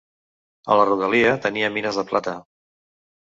A la rodalia tenia mines de plata.